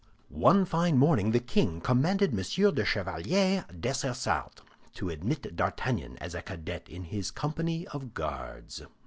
One fine morning the king commanded M. de Chevalier Dessessart to admit D'Artagnan as a cadet in his company of Guards.